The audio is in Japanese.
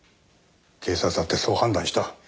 警察だってそう判断した。